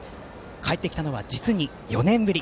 帰ってきたのは実に４年ぶり。